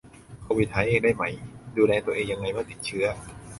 โควิดหายเองได้ไหม ดูแลตัวเองยังไงเมื่อติดเชื้อ